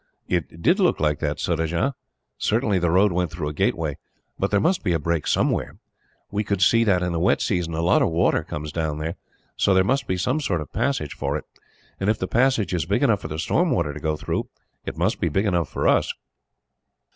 "It did look like that, Surajah. Certainly the road went through a gateway. But there must be a break somewhere. We could see that, in the wet season, a lot of water comes down there, so there must be some sort of passage for it; and if the passage is big enough for the storm water to go through, it must be big enough for us."